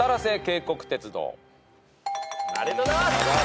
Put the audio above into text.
ありがとうございます。